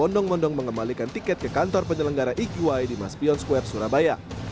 bondong bondong mengembalikan tiket ke kantor penyelenggara iqi di maspion square surabaya